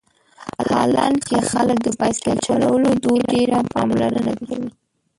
هالنډ کې خلک د بایسکل چلولو دود ډېره پاملرنه کوي.